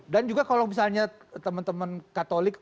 dan juga kalau misalnya teman teman katolik